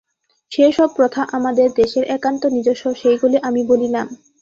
যে-সব প্রথা আমাদের দেশের একান্ত নিজস্ব, সেইগুলি আমি বলিলাম।